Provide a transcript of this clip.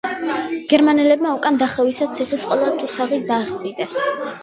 გერმანელებმა უკან დახევისას ციხის ყველა ტუსაღი დახვრიტეს.